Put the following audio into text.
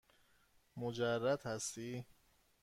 مجرد هستی؟